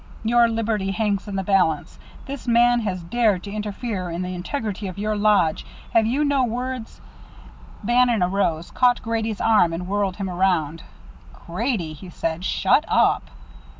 Your liberty hangs in the balance. This man has dared to interfere in the integrity of your lodge. Have you no words " Bannon arose, caught Grady's arm, and whirled him around. "Grady," he said, "shut up."